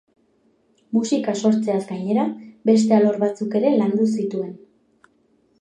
Musika sortzeaz gainera, beste alor batzuk ere landu zituen.